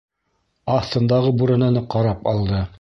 Аҫтындағы бүрәнәне ҡарап алды.